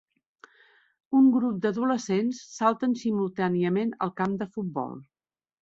Un grup d'adolescents salten simultàniament al camp de futbol.